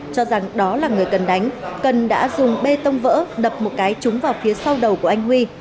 cho rằng đó là người cần đánh cần đã dùng bê tông vỡ đập một cái trúng vào phía sau đầu của anh huy